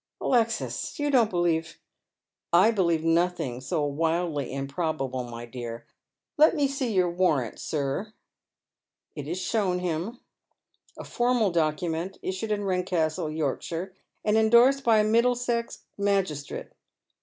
" Alexis, you don't believe "" I believe nothing so wildly improbable, my dear. Let me Bee your warrant, sir." It is shown him ; a formal document, issued in Eedcastle, Yorkshire, and endorsed by a Middlesex magistrate.